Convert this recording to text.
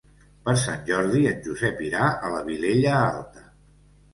Per Sant Jordi en Josep irà a la Vilella Alta.